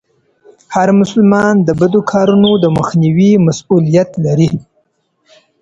هر مسلمان د بدو کارونو د مخنيوي مسئوليت لري.